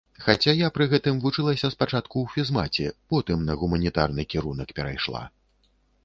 Хаця я пры гэтым вучылася спачатку ў фізмаце, потым на гуманітарны кірунак перайшла.